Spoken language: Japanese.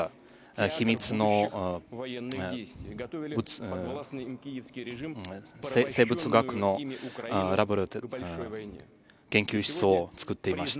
秘密の生物学の研究室を造っていました。